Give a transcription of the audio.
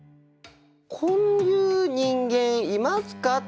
こういう人間いますか？